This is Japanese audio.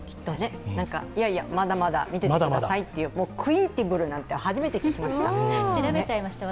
いやいやまだまだ見ててくださいっていうクインティプルなんて初めて聞きました。